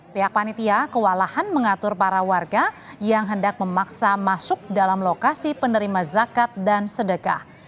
pihak panitia kewalahan mengatur para warga yang hendak memaksa masuk dalam lokasi penerima zakat dan sedekah